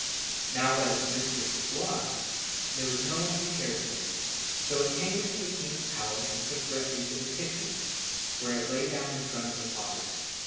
Now that its mistress was lost, there was no one who cared for it, so it came into the king's palace and took refuge in the kitchen, where it lay down in front of the fire.